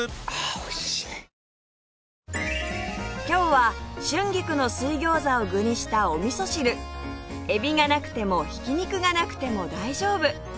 今日は春菊の水餃子を具にしたお味噌汁エビがなくてもひき肉がなくても大丈夫！